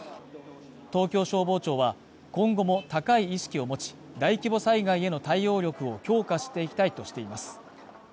東京消防庁は、今後も高い意識を持ち、大規模災害への対応力を強化していきたいとしています。